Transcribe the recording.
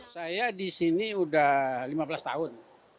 saya di sini udah lima belas tahun